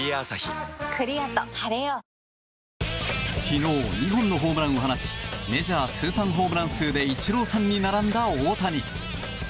昨日、２本のホームランを放ちメジャー通算ホームラン数でイチローさんに並んだ大谷。